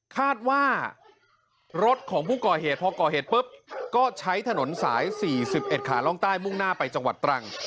คาดว่ารถของผู้ก่อเหตุพอก่อเหตุปุ๊บก็ใช้ถนนสาย๔๑ขาล่องใต้มุ่งหน้าไปจังหวัดตรัง